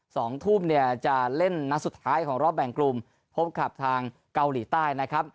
สองทุ่มเนี่ยจะเล่นนัดสุดท้ายของรอบแบ่งกลุ่มพบกับทางเกาหลีใต้นะครับ